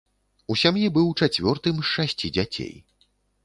У сям'і быў чацвёртым з шасці дзяцей.